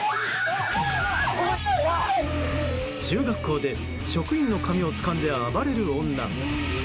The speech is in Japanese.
中学校で職員の髪をつかんで暴れる女。